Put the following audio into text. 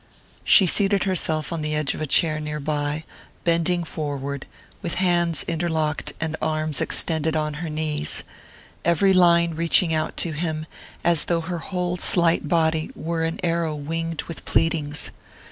She seated herself on the edge of a chair near by, bending forward, with hands interlocked and arms extended on her knees every line reaching out to him, as though her whole slight body were an arrow winged with pleadings.